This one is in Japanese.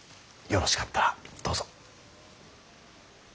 よろしかったらどうぞ。